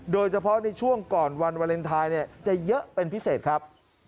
โดยเฉพาะในช่วงก่อนวันวาเลนไทยจะเยอะเป็นพิเศษครับ